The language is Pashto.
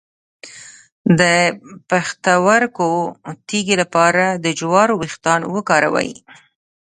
د پښتورګو تیږې لپاره د جوارو ویښتان وکاروئ